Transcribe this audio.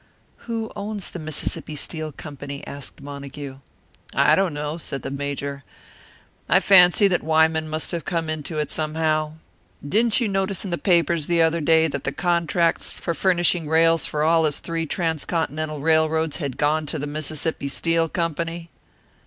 "Who owns the Mississippi Steel Company?" asked Montague. "I don't know," said the Major. "I fancy that Wyman must have come into it somehow. Didn't you notice in the papers the other day that the contracts for furnishing rails for all his three transcontinental railroads had gone to the Mississippi Steel Company?"